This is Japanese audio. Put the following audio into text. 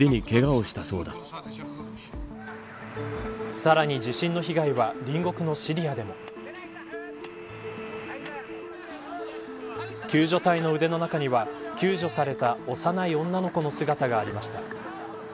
さらに、地震の被害は隣国のシリアでも。救助隊の腕の中には救助された幼い女の子の姿がありました。